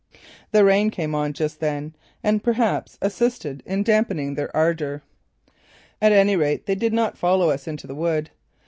The rain came on just then and perhaps assisted in dampening their ardour. At any rate they did not follow us into the wood.